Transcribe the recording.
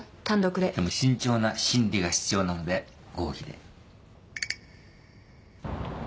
でも慎重な審理が必要なので合議で。